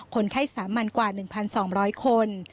คนไข้สามัญกว่า๑๒๐๐คน